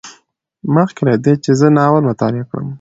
مخکې له دې چې زه ناول مطالعه کړم